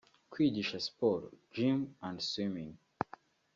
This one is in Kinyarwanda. kwigisha siporo (gym&swimming)